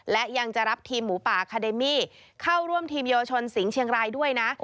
และยังจะรับทีมหมูป่าคาเดมี่เข้าร่วมทีมเยาวชนสิงห์เชียงรายด้วยนะ